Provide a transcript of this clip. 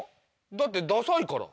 だってダサいから。